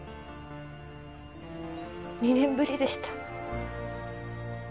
２年ぶりでした。